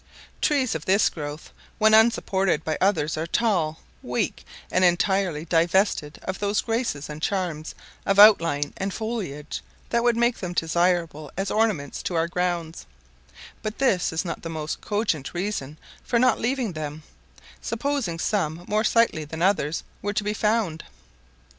Trees of this growth when unsupported by others are tall, weak, and entirely divested of those graces and charms of outline and foliage that would make them desirable as ornaments to our grounds; but this is not the most cogent reason for not leaving them, supposing some more sightly than others were to be found.